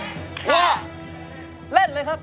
ผมมีความตอบแล้วค่ะ